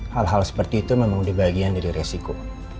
hal hal seperti itu memang dibagian dari resiko